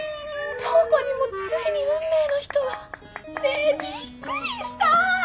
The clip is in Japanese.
涼子にもついに運命の人が！？ねえびっくりした！